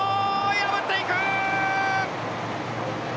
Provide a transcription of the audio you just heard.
破っていく！